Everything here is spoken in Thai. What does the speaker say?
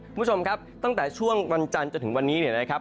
คุณผู้ชมครับตั้งแต่ช่วงวันจันทร์จนถึงวันนี้เนี่ยนะครับ